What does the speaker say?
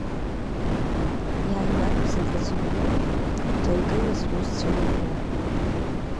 Иааиларԥсеит аӡәырҩы, рыгәҭа игылаз рҩызцәа дырбо.